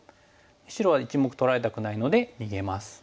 白は１目取られたくないので逃げます。